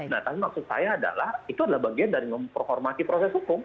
nah tapi maksud saya adalah itu adalah bagian dari menghormati proses hukum